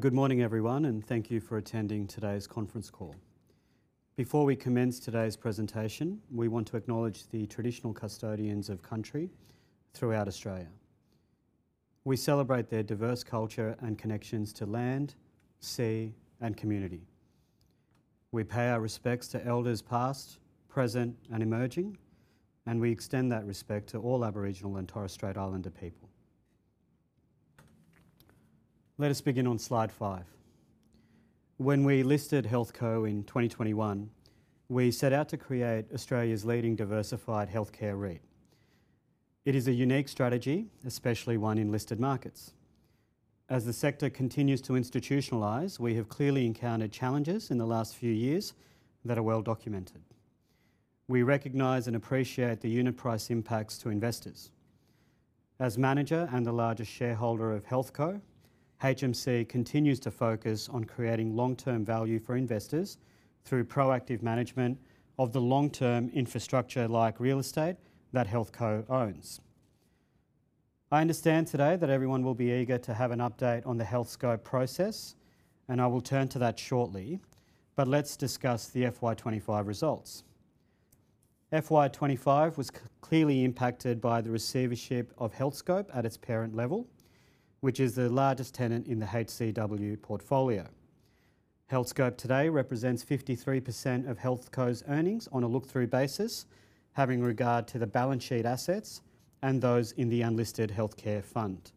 Good morning, everyone, and thank you for attending today's conference call. Before we commence today's presentation, we want to acknowledge the traditional custodians of country throughout Australia. We celebrate their diverse culture and connections to land, sea, and community. We pay our respects to elders past, present, and emerging, and we extend that respect to all Aboriginal and Torres Strait Islander people. Let us begin on slide five. When we listed HealthCo in 2021, we set out to create Australia's leading diversified healthcare REIT. It is a unique strategy, especially one in listed markets. As the sector continues to institutionalize, we have clearly encountered challenges in the last few years that are well documented. We recognize and appreciate the unit price impacts to investors. As manager and the largest shareholder of HealthCo, HMC continues to focus on creating long-term value for investors through proactive management of the long-term infrastructure like real estate that HealthCo owns. I understand today that everyone will be eager to have an update on the Healthscope process, and I will turn to that shortly, but let's discuss the FY 2025 results. FY 2025 was clearly impacted by the receivership of Healthscope at its parent level, which is the largest tenant in the HCW portfolio. Healthscope today represents 53% of HealthCo's earnings on a look-through basis, having regard to the balance sheet assets and those in the unlisted healthcare fund.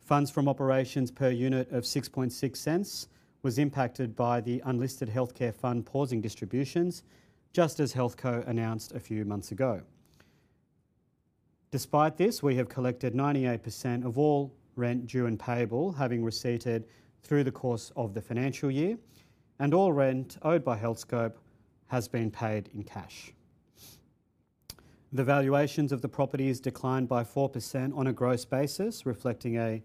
Funds from operations per unit of $0.066 were impacted by the unlisted healthcare fund pausing distributions, just as HealthCo announced a few months ago. Despite this, we have collected 98% of all rent due and payable, having receded through the course of the financial year, and all rent owed by Healthscope has been paid in cash. The valuations of the properties declined by 4% on a gross basis, reflecting a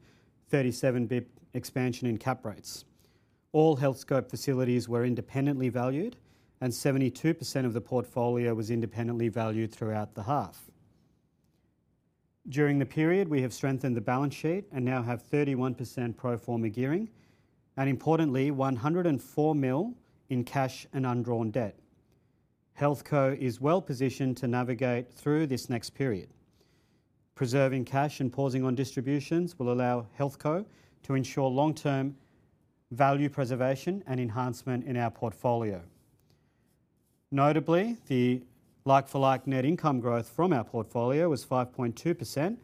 37 basis points expansion in cap rates. All Healthscope facilities were independently valued, and 72% of the portfolio was independently valued throughout the half. During the period, we have strengthened the balance sheet and now have 31% pro forma gearing, and importantly, $104 million in cash and undrawn debt. HealthCo is well positioned to navigate through this next period. Preserving cash and pausing on distributions will allow HealthCo to ensure long-term value preservation and enhancement in our portfolio. Notably, the like-for-like net income growth from our portfolio was 5.2%,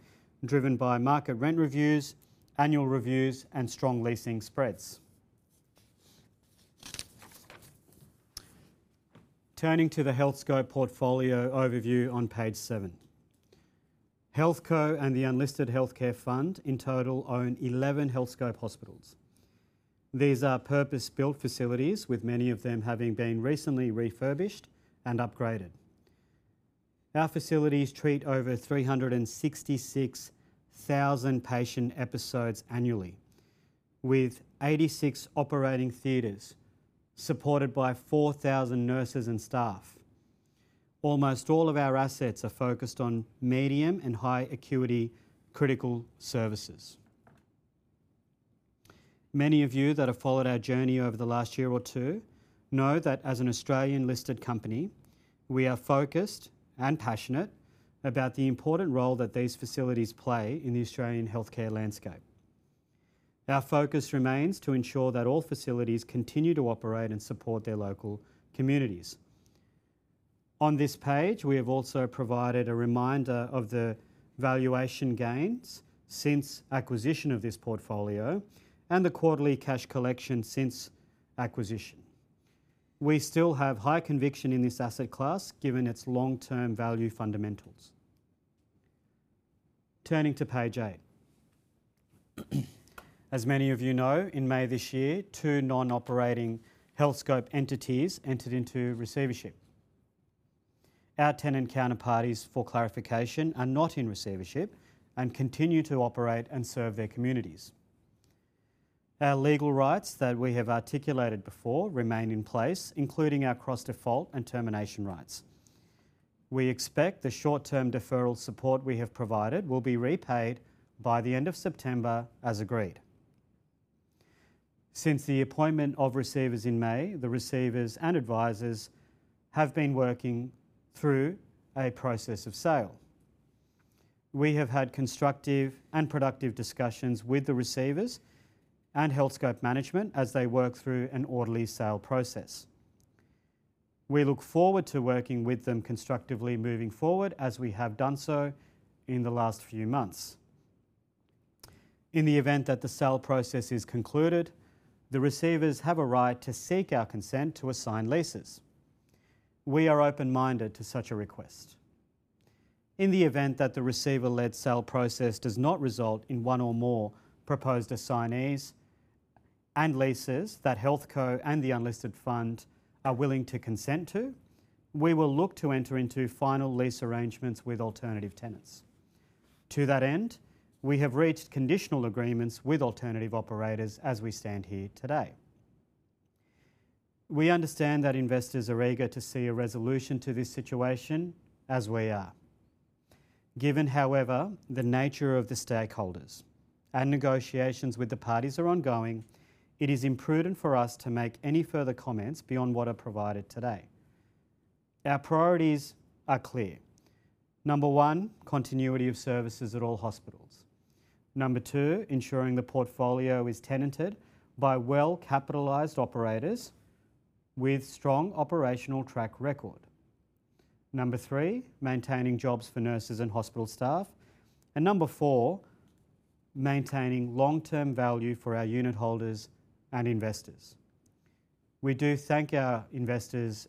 driven by market rent reviews, annual reviews, and strong leasing spreads. Turning to the Healthscope portfolio overview on page seven. HealthCo and the unlisted healthcare fund in total own 11 Healthscope hospitals. These are purpose-built facilities, with many of them having been recently refurbished and upgraded. Our facilities treat over 366,000 patient episodes annually, with 86 operating theatres supported by 4,000 nurses and staff. Almost all of our assets are focused on medium and high-acuity critical services. Many of you that have followed our journey over the last year or two know that as an Australian-listed company, we are focused and passionate about the important role that these facilities play in the Australian healthcare landscape. Our focus remains to ensure that all facilities continue to operate and support their local communities. On this page, we have also provided a reminder of the valuation gains since acquisition of this portfolio and the quarterly cash collection since acquisition. We still have high conviction in this asset class, given its long-term value fundamentals. Turning to page eight. As many of you know, in May this year, two non-operating Healthscope entities entered into receivership. Our tenant counterparties, for clarification, are not in receivership and continue to operate and serve their communities. Our legal rights that we have articulated before remain in place, including our cross-default and termination rights. We expect the short-term deferral support we have provided will be repaid by the end of September, as agreed. Since the appointment of receivers in May, the receivers and advisors have been working through a process of sale. We have had constructive and productive discussions with the receivers and Healthscope management as they work through an orderly sale process. We look forward to working with them constructively moving forward, as we have done so in the last few months. In the event that the sale process is concluded, the receivers have a right to seek our consent to assign leases. We are open-minded to such a request. In the event that the receiver-led sale process does not result in one or more proposed assignees and leases that HealthCo and the unlisted fund are willing to consent to, we will look to enter into final lease arrangements with alternative tenants. To that end, we have reached conditional agreements with alternative operators as we stand here today. We understand that investors are eager to see a resolution to this situation, as we are. Given, however, the nature of the stakeholders and negotiations with the parties are ongoing, it is imprudent for us to make any further comments beyond what are provided today. Our priorities are clear. Number one, continuity of services at all hospitals. Number two, ensuring the portfolio is tenanted by well-capitalized operators with strong operational track record. Number three, maintaining jobs for nurses and hospital staff. Number four, maintaining long-term value for our unitholders and investors. We do thank our investors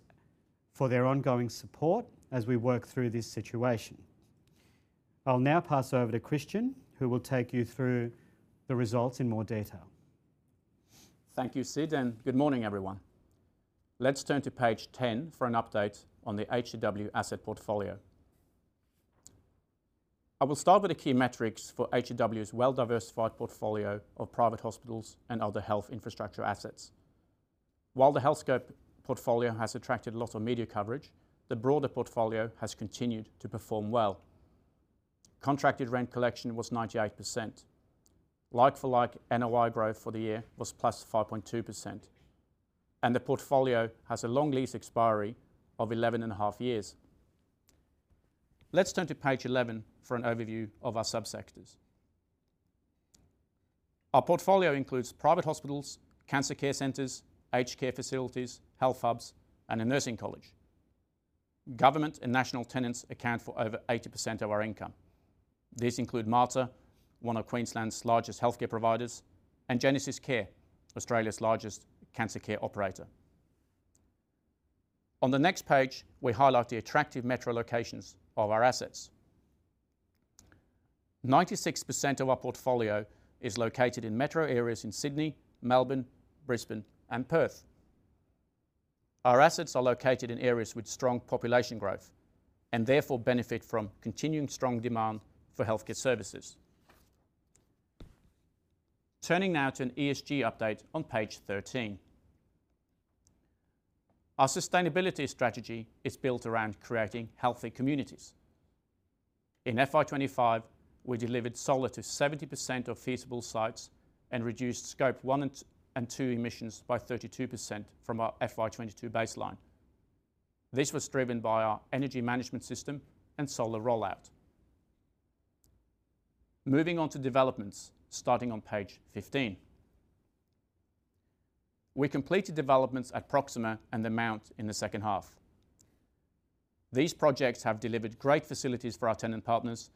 for their ongoing support as we work through this situation. I'll now pass over to Christian, who will take you through the results in more detail. Thank you, Sid, and good morning, everyone. Let's turn to page 10 for an update on the HCW asset portfolio. I will start with the key metrics for HCW's well-diversified portfolio of private hospitals and other health infrastructure assets. While the Healthscope portfolio has attracted a lot of media coverage, the broader portfolio has continued to perform well. Contracted rent collection was 98%. Like-for-like NOI growth for the year was +5.2%, and the portfolio has a long lease expiry of 11.5 years. Let's turn to page 11 for an overview of our subsectors. Our portfolio includes private hospitals, cancer care centers, aged care facilities, health hubs, and a nursing college. Government and national tenants account for over 80% of our income. These include Mater, one of Queensland's largest healthcare providers, and GenesisCare, Australia's largest cancer care operator. On the next page, we highlight the attractive metro locations of our assets. 96% of our portfolio is located in metro areas in Sydney, Melbourne, Brisbane, and Perth. Our assets are located in areas with strong population growth and therefore benefit from continuing strong demand for healthcare services. Turning now to an ESG update on page 13. Our sustainability strategy is built around creating healthy communities. In FY 2025, we delivered solar to 70% of feasible sites and reduced scope 1 and 2 emissions by 32% from our FY 2022 baseline. This was driven by our energy management system and solar rollout. Moving on to developments, starting on page 15. We completed developments at Proxima and The Mount in the second half. These projects have delivered great facilities for our tenant partners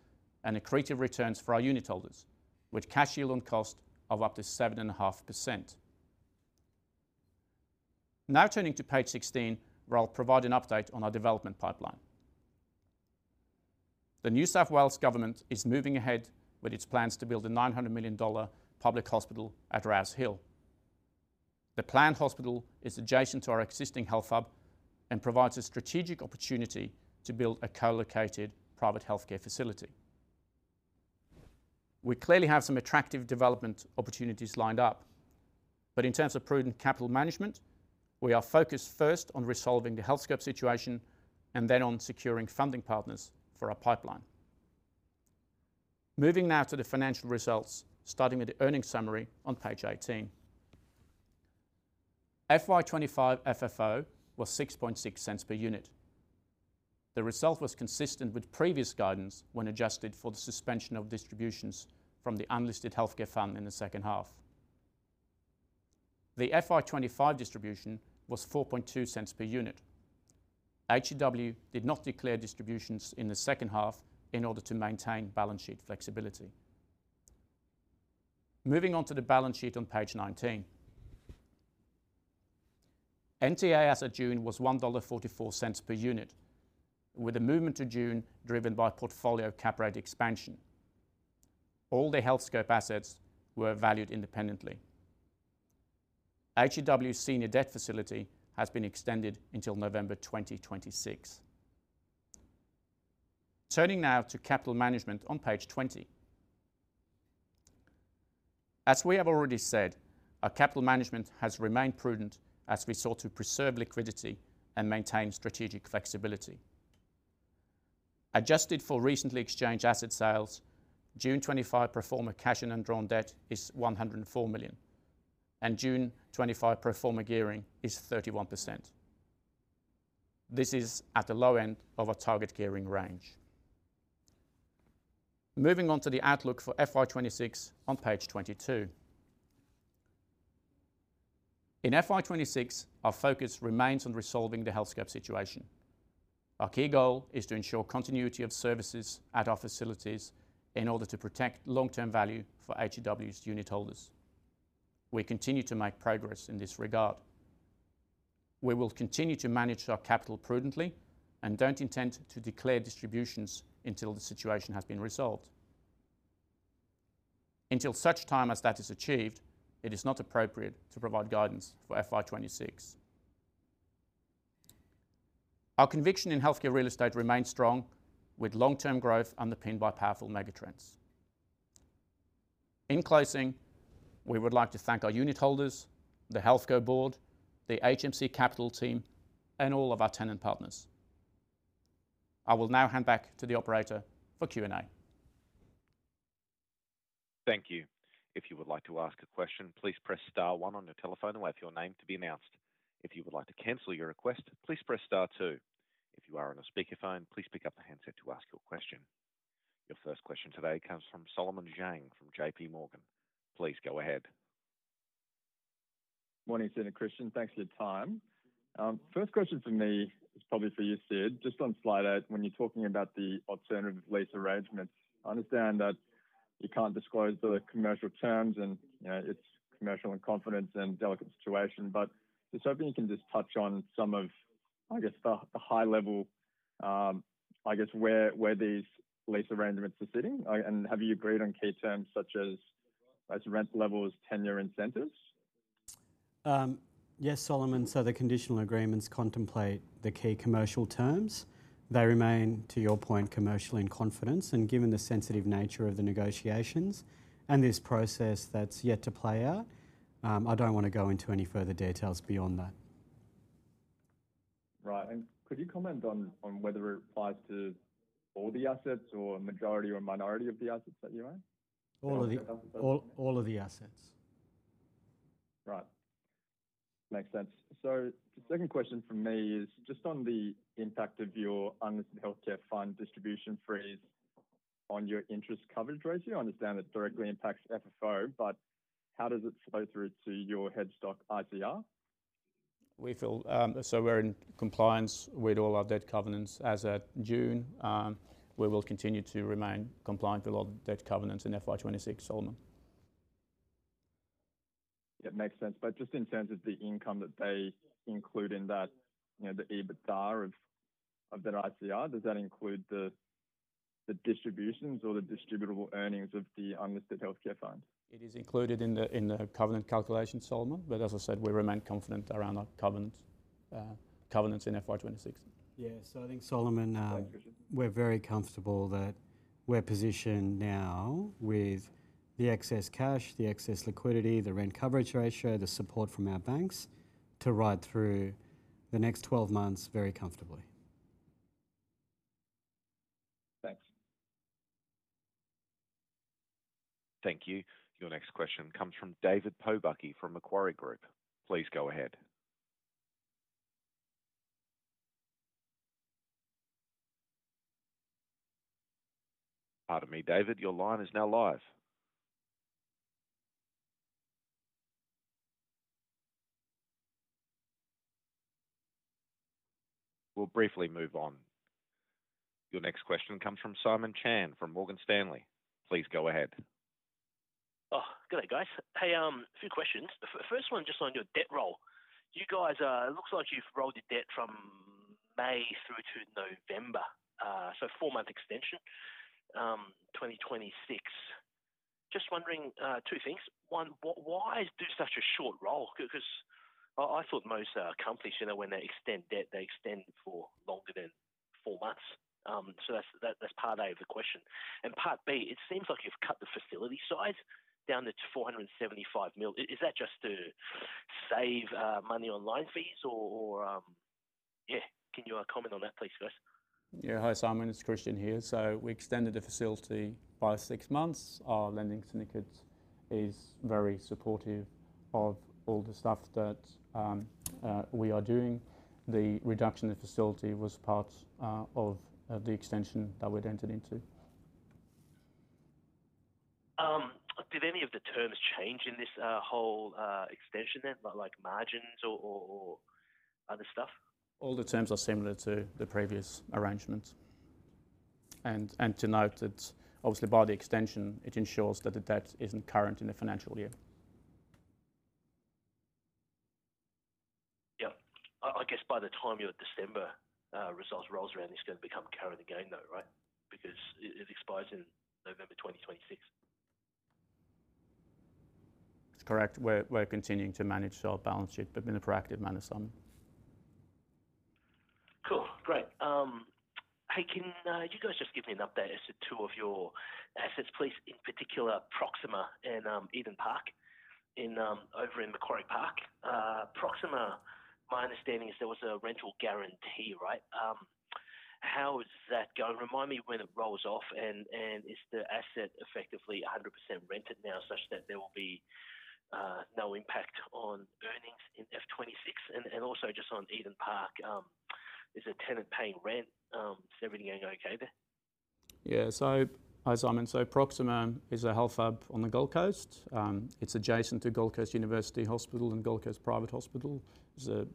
and accretive returns for our unitholders, with cash yield on cost of up to 7.5%. Now turning to page 16, where I'll provide an update on our development pipeline. The New South Wales Government is moving ahead with its plans to build a $900 million public hospital at Rouse Hill. The planned hospital is adjacent to our existing health hub and provides a strategic opportunity to build a co-located private healthcare facility. We clearly have some attractive development opportunities lined up. In terms of prudent capital management, we are focused first on resolving the Healthscope situation and then on securing funding partners for our pipeline. Moving now to the financial results, starting with the earnings summary on page 18. FY 2025 FFO was $0.066 per unit. The result was consistent with previous guidance when adjusted for the suspension of distributions from the unlisted healthcare fund in the second half. The FY 2025 distribution was $0.042 per unit. HCW did not declare distributions in the second half in order to maintain balance sheet flexibility. Moving on to the balance sheet on page 19. NTA at June was $1.44 per unit, with a movement to June driven by portfolio cap rate expansion. All the Healthscope assets were valued independently. HCW's senior debt facility has been extended until November 2026. Turning now to capital management on page 20. As we have already said, our capital management has remained prudent as we sought to preserve liquidity and maintain strategic flexibility. Adjusted for recently exchanged asset sales, June 2025 pro forma cash and undrawn debt is $104 million, and June 2025 pro forma gearing is 31%. This is at the low end of our target gearing range. Moving on to the outlook for FY 2026 on page 22. In FY 2026, our focus remains on resolving the Healthscope situation. Our key goal is to ensure continuity of services at our facilities in order to protect long-term value for HCW's unitholders. We continue to make progress in this regard. We will continue to manage our capital prudently and don't intend to declare distributions until the situation has been resolved. Until such time as that is achieved, it is not appropriate to provide guidance for FY 2026. Our conviction in healthcare real estate remains strong, with long-term growth underpinned by powerful megatrends. In closing, we would like to thank our unitholders, the HealthCo Board, the HMC Capital team, and all of our tenant partners. I will now hand back to the operator for Q&A. Thank you. If you would like to ask a question, please press Star, one on your telephone and wait for your name to be announced. If you would like to cancel your request, please press Star, two. If you are on a speaker phone, please pick up the handset to ask your question. Your first question today comes from Solomon Zhang from JP Morgan. Please go ahead. Morning, Christian. Thanks for the time. First question for me is probably for you, Sid, just on slide eight. When you're talking about the alternative lease arrangements, I understand that you can't disclose the commercial terms and, you know, it's commercial in confidence and a delicate situation, but I was hoping you can just touch on some of, I guess, the high level, I guess, where these lease arrangements are sitting and have you agreed on key terms such as rent levels, tenure, incentives? Yes, Solomon. The conditional agreements contemplate the key commercial terms. They remain, to your point, commercially in confidence, and given the sensitive nature of the negotiations and this process that's yet to play out, I don't want to go into any further details beyond that. Could you comment on whether it applies to all the assets or a majority or a minority of the assets that you own? All of the assets. Right. Makes sense. The second question for me is just on the impact of your unlisted healthcare fund distribution freeze on your interest coverage ratio. I understand it directly impacts FFO, but how does it flow through to your headstock ITR? We feel we're in compliance with all our debt covenants as of June. We will continue to remain compliant with all the debt covenants in FY 2026, Solomon. Yeah, it makes sense. Just in terms of the income that they include in that, you know, the EBITDA of their ITR, does that include the distributions or the distributable earnings of the unlisted healthcare fund? It is included in the covenant calculation, Solomon, but as I said, we remain confident around our covenants in FY 2026. I think, Solomon, we're very comfortable that we're positioned now with the excess cash, the excess liquidity, the rent coverage ratio, the support from our banks to ride through the next 12 months very comfortably. Thanks. Thank you. Your next question comes from David Pobucky from Macquarie Group. Please go ahead. David, your line is now live. We'll briefly move on. Your next question comes from Simon Chan from Morgan Stanley. Please go ahead. Good day, guys. Hey, a few questions. The first one just on your debt roll. You guys, it looks like you've rolled your debt from May through to November, so four-month extension, 2026. Just wondering two things. One, why do such a short roll? I thought most accomplishments, you know, when they extend debt, they extend for longer than four months. That's part A of the question. Part B, it seems like you've cut the facility size down to $475 million. Is that just to save money on loan fees or, yeah, can you comment on that, please, guys? Yeah, hi, Simon. It's Christian here. We extended the facility by six months. Our lending syndicate is very supportive of all the stuff that we are doing. The reduction in facility was part of the extension that we'd entered into. Did any of the terms change in this whole extension, like margins or other stuff? All the terms are similar to the previous arrangements. To note, obviously by the extension, it ensures that the debt isn't current in the financial year. Yeah. I guess by the time your December results rolls around, it's going to become current again, right? Because it expires in November 2026. That's correct. We're continuing to manage our balance sheet, but in a proactive manner, Simon. Cool. Great. Hey, can you guys just give me an update as to two of your assets, please, in particular Proxima and Eden Park over in Macquarie Park? Proxima, my understanding is there was a rental guarantee, right? How is that going? Remind me when it rolls off, and is the asset effectively 100% rented now such that there will be no impact on earnings in FY 2026? Also, just on Eden Park, is the tenant paying rent? Is everything okay there? Yeah, hi Simon. Proxima is a health hub on the Gold Coast. It's adjacent to Gold Coast University Hospital and Gold Coast Private Hospital. It's a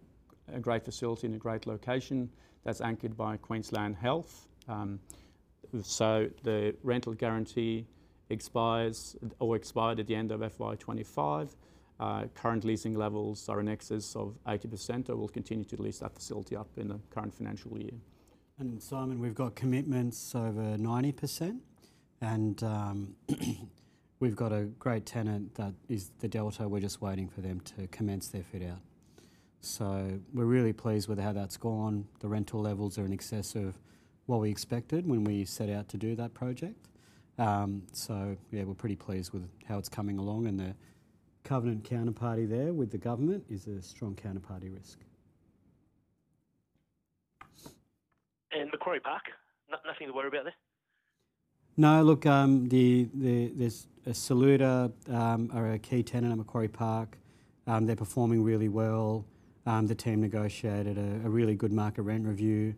great facility in a great location that's anchored by Queensland Health. The rental guarantee expired at the end of FY 2025. Current leasing levels are in excess of 80%, though we'll continue to lease that facility up in the current financial year. Simon, we've got commitments over 90% and we've got a great tenant that is the Delta. We're just waiting for them to commence their fit out. We're really pleased with how that's gone. The rental levels are in excess of what we expected when we set out to do that project. We're pretty pleased with how it's coming along and the covenant counterparty there with the government is a strong counterparty risk. Macquarie Park, nothing to worry about there? No, look, there's a Saluda, a key tenant in Macquarie Park. They're performing really well. The team negotiated a really good market rent review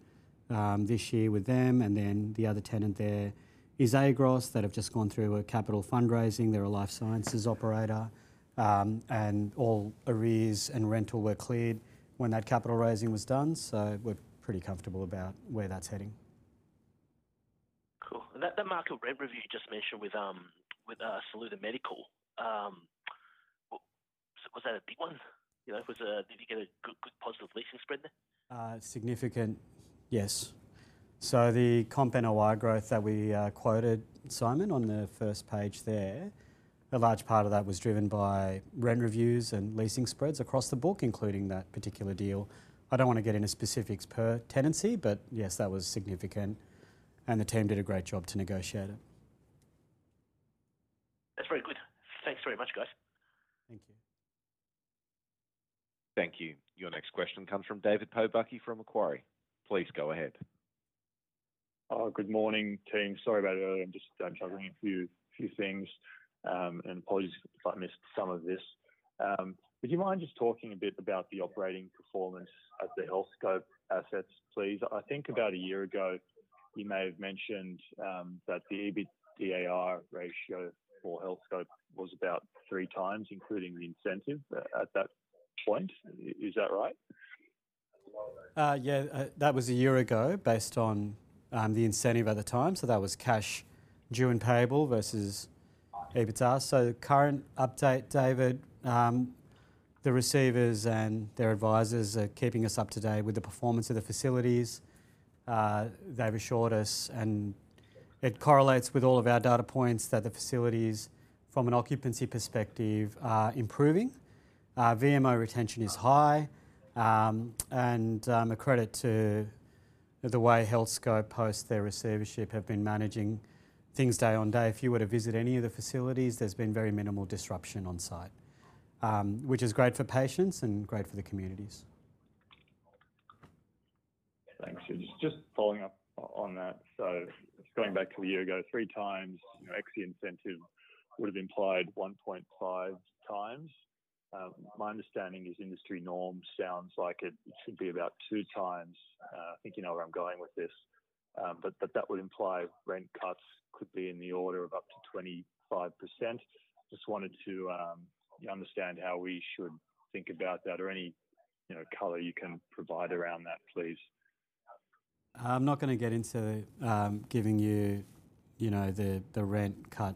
this year with them. The other tenant there is Agros that have just gone through a capital fundraising. They're a life sciences operator, and all arrears and rental were cleared when that capital raising was done. We're pretty comfortable about where that's heading. Cool. That market rent review you just mentioned with Saluda Medical, was that a big one? Did you get a good positive leasing spread there? Significant, yes. The comp NOI growth that we quoted, Simon, on the first page there, a large part of that was driven by rent reviews and leasing spreads across the book, including that particular deal. I don't want to get into specifics per tenancy, but yes, that was significant. The team did a great job to negotiate it. That's very good. Thanks very much, guys. Thank you. Thank you. Your next question comes from David Pobucky from Macquarie. Please go ahead. Good morning, team. Sorry about earlier. I'm just done covering a few things and apologies if I missed some of this. Would you mind just talking a bit about the operating performance of the Healthscope assets, please? I think about a year ago you may have mentioned that the EBITDA ratio for Healthscope was about 3x, including the incentive at that point. Is that right? Yeah, that was a year ago based on the incentive at the time. That was cash due and payable versus EBITDA. Current update, David, the receivers and their advisors are keeping us up to date with the performance of the facilities. They've assured us, and it correlates with all of our data points, that the facilities, from an occupancy perspective, are improving. VMO retention is high and a credit to the way Healthscope, post their receivership, have been managing things day on day. If you were to visit any of the facilities, there's been very minimal disruption on site, which is great for patients and great for the communities. Thanks. Just following up on that. Going back to a year ago, 3x exit incentive would have implied 1.5x. My understanding is industry norm sounds like it should be about 2x I think you know where I'm going with this, but that would imply rent cuts could be in the order of up to 25%. Just wanted to understand how we should think about that or any color you can provide around that, please. I'm not going to get into giving you the rent cut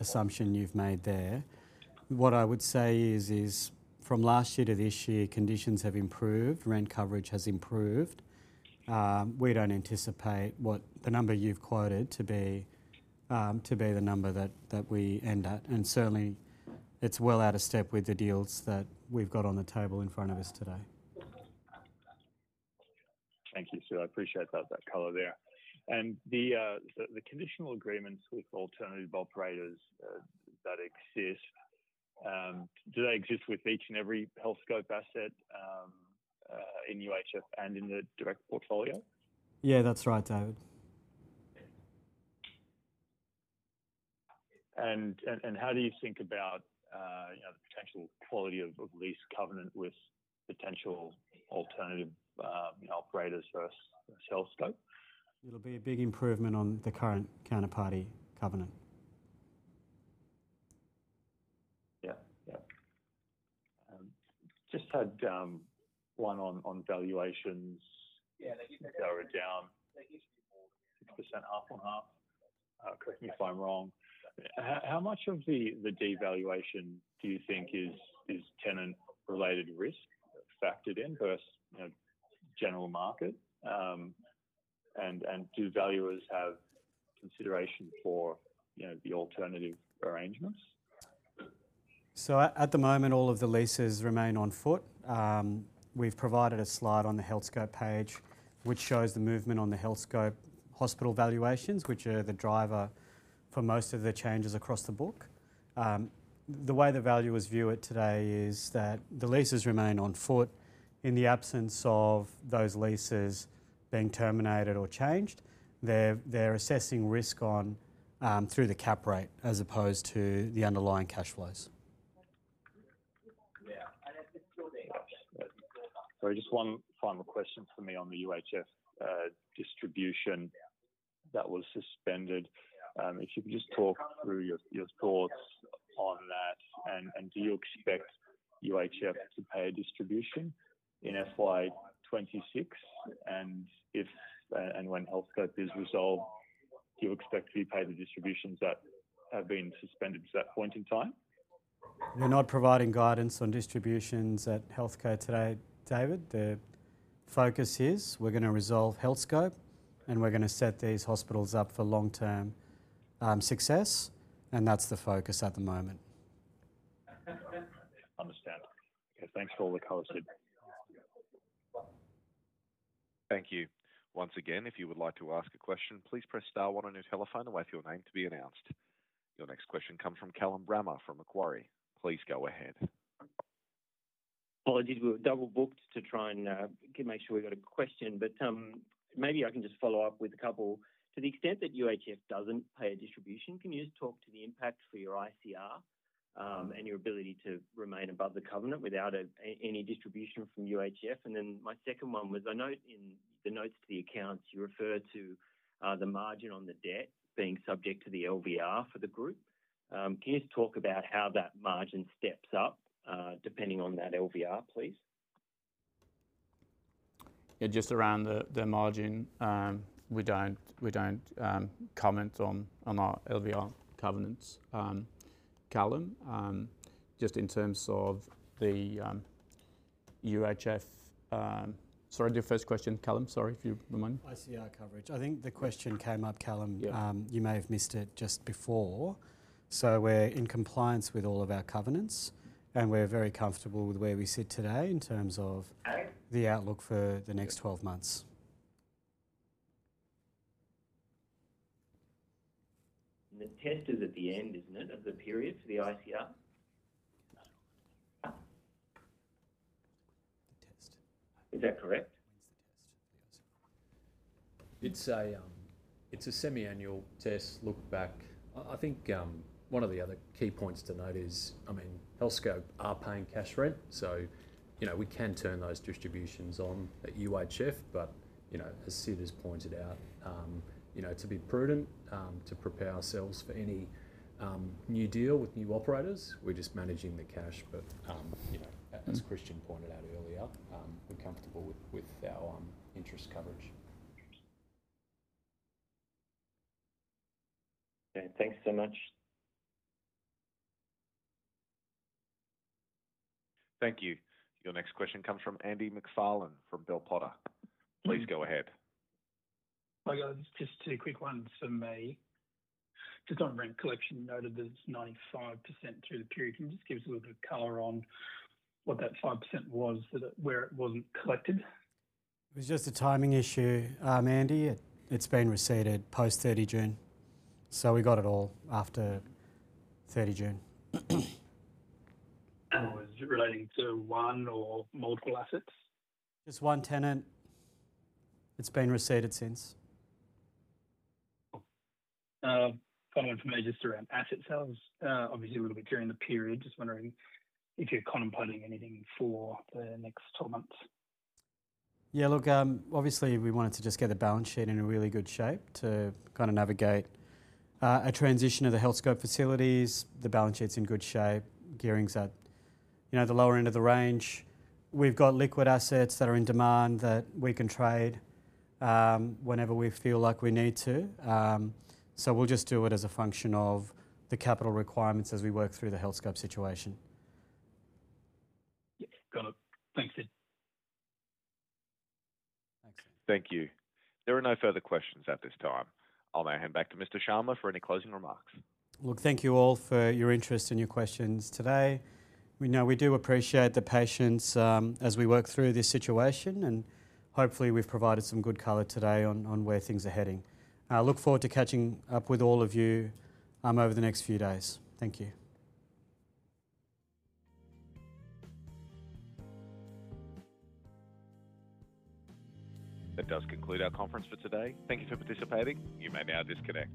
assumption you've made there. What I would say is, from last year to this year, conditions have improved. Rent coverage has improved. We don't anticipate what the number you've quoted to be the number that we end at. It is certainly well out of step with the deals that we've got on the table in front of us today. Thank you, Sid. I appreciate that color there. Do the conditional agreements with alternative operators exist with each and every Healthscope asset in HCW and in the direct portfolio? Yeah, that's right, David. How do you think about the potential quality of lease covenant with potential alternative operators versus Healthscope? It'll be a big improvement on the current counterparty covenant. Yeah, just had one on valuations. They're down 6% half on half. Correct me if I'm wrong. How much of the devaluation do you think is tenant-related risk factored in versus general market? Do valuers have consideration for the alternative arrangements? At the moment, all of the leases remain on foot. We've provided a slide on the Healthscope page which shows the movement on the Healthscope hospital valuations, which are the driver for most of the changes across the book. The way the valuers view it today is that the leases remain on foot. In the absence of those leases being terminated or changed, they're assessing risk on through the cap rate as opposed to the underlying cash flows. Yeah, sorry, just one final question for me on the UHF distribution that was suspended. If you could just talk through your thoughts on that, do you expect UHF to pay a distribution in FY 2026? If and when Healthscope is resolved, do you expect to be paid the distributions that have been suspended to that point in time? They're not providing guidance on distributions at Healthscope today, David. The focus is we're going to resolve Healthscope and we're going to set these hospitals up for long-term success. That's the focus at the moment. Understand. Okay, thanks for all the color, Sid. Thank you. Once again, if you would like to ask a question, please press Star, one on your telephone and wait for your name to be announced. Your next question comes from Callum Brammer from Macquarie. Please go ahead. Apologies, we were double booked to try and make sure we got a question. Maybe I can just follow up with a couple. To the extent that UHF doesn't pay a distribution, can you just talk to the impact for your ICR and your ability to remain above the covenant without any distribution from UHF? My second one was, I note in the notes to the accounts you refer to the margin on the debt being subject to the LVR for the group. Can you just talk about how that margin steps up depending on that LVR, please? Yeah, just around the margin, we don't comment on our LVR covenants. Callum, just in terms of the UHF, sorry, the first question, Callum, sorry if you're the moment. ICR coverage. I think the question came up, Callum, you may have missed it just before. We're in compliance with all of our covenants, and we're very comfortable with where we sit today in terms of the outlook for the next 12 months. The test is at the end of the period for the ICR, isn't it? The test. Is that correct? It's a semi-annual test look back. I think one of the other key points to note is, I mean, Healthscope are paying cash rent, so you know we can turn those distributions on at HCW, but you know as Sid has pointed out, you know it's a bit prudent to prepare ourselves for any new deal with new operators. We're just managing the cash, but you know as Christian pointed out earlier, we're comfortable with our interest coverage. Okay, thanks so much. Thank you. Your next question comes from Andy McFarlalne from Bell Potter. Please go ahead. Hi guys, just two quick ones for me. The time rent collection noted there's 95% through the period. Can you just give us a little bit of color on what that 5% was where it wasn't collected? It was just a timing issue, Andy. It's been received post 30 June. We got it all after 30 June. Otherwise, is it relating to one or multiple assets? Just one tenant. It's been re-leased since. Just around asset sales. Obviously, it will be during the period. Just wondering if you're contemplating anything for the next 12 months. Yeah, look, obviously we wanted to just get the balance sheet in a really good shape to kind of navigate a transition of the Healthscope facilities. The balance sheet's in good shape. Gearing's at, you know, the lower end of the range. We've got liquid assets that are in demand that we can trade whenever we feel like we need to. We'll just do it as a function of the capital requirements as we work through the Healthscope situation. Got it. Thanks, Sid. Thank you. There are no further questions at this time. I'll now hand back to Mr. Sharma for any closing remarks. Thank you all for your interest and your questions today. We do appreciate the patience as we work through this situation, and hopefully we've provided some good color today on where things are heading. I look forward to catching up with all of you over the next few days. Thank you. That does conclude our conference for today. Thank you for participating. You may now disconnect.